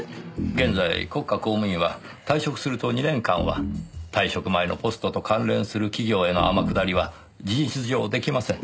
現在国家公務員は退職すると２年間は退職前のポストと関連する企業への天下りは事実上出来ません。